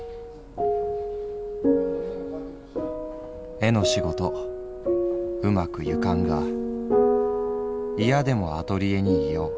「絵の仕事うまくゆかんが嫌でもアトリエにいよう。